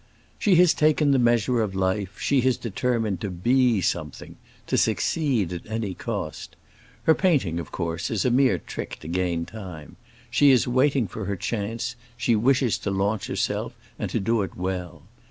"She has taken the measure of life, and she has determined to be something—to succeed at any cost. Her painting, of course, is a mere trick to gain time. She is waiting for her chance; she wishes to launch herself, and to do it well.